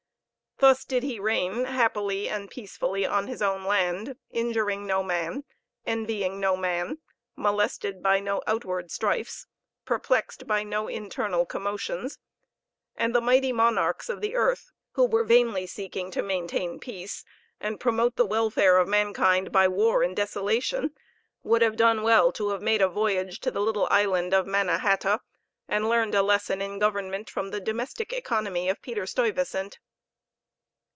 Thus did he reign, happily and peacefully on his own land, injuring no man, envying no man, molested by no outward strifes, perplexed by no internal commotions; and the mighty monarchs of the earth, who were vainly seeking to maintain peace, and promote the welfare of mankind by war and desolation, would have done well to have made a voyage to the little island of Manna hata, and learned a lesson in government from the domestic economy of Peter Stuyvesant.